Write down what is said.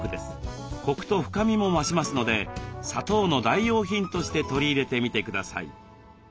コクと深みも増しますので砂糖の代用品として取り入れてみてください。